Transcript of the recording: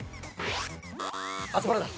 アスパラだ。